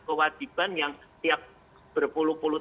kewajiban yang tiap berpuluh puluh